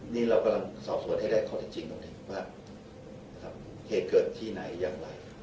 นี่เรากำลังสอบสวนให้ได้ข้อเท็จจริงตรงนี้ว่าเหตุเกิดที่ไหนอย่างไร